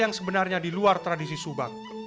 yang sebenarnya di luar tradisi subak